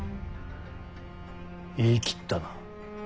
言い切ったな。